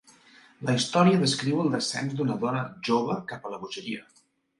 La història descriu el descens d'una dona jove cap a la bogeria.